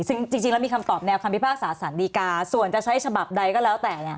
ซึ่งจริงแล้วมีคำตอบแนวคำพิพากษาสารดีกาส่วนจะใช้ฉบับใดก็แล้วแต่